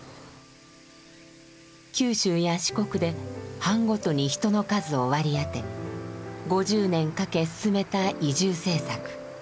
九州や四国で藩ごとに人の数を割り当て５０年かけ進めた移住政策。